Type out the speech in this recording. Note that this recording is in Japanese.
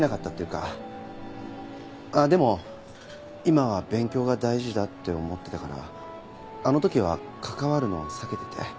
でも今は勉強が大事だって思ってたからあの時は関わるのを避けてて。